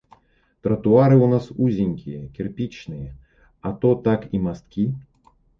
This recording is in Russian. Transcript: Тротуары у нас узенькие, кирпичные, а то так и мостки.